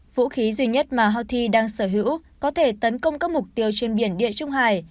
vũ khí duy nhất mà houthi đang sở hữu có thể tấn công các mục tiêu trên biển địa trung hải